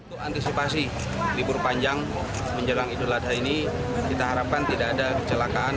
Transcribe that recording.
untuk antisipasi libur panjang menjelang idul adha ini kita harapkan tidak ada kecelakaan